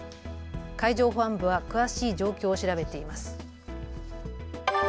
海上保安部は詳しい状況を調べています。